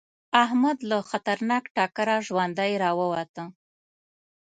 احمد له خطرناک ټکره ژوندی راووته.